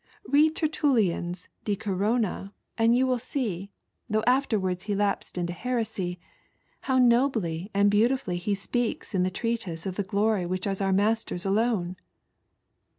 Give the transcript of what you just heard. Bead TertuUian'a ' De Corona' and you 1 14 0KL7 A GHOST. will see, thongh afterwards he lapsed into heresy, how nobly and beautifully he speaks in that treatise of the glory which is our Master's alone."